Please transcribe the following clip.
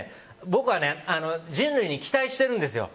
僕はね、人類に期待しているんですよ。